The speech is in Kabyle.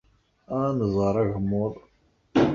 Ad nẓer agmuḍ.